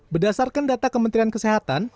berdasarkan data kementerian kesehatan